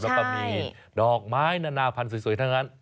แล้วก็มีดอกไม้นานาพันธุ์สวยทั้งนั้น